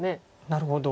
なるほど。